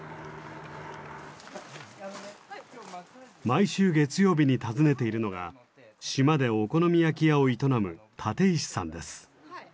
毎週月曜日に訪ねているのが島でお好み焼き屋を営む立石さんです。